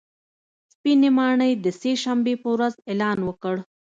سپینې ماڼۍ د سې شنبې په ورځ اعلان وکړ